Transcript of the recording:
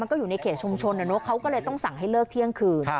ก็อยู่ในเขตชุมชนเขาก็เลยต้องสั่งให้เลิกเที่ยงคืน